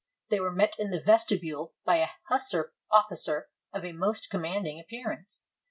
They were met in the vestibule by a hussar officer of a most commanding appearance.